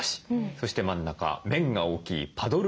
そして真ん中面が大きいパドルブラシ。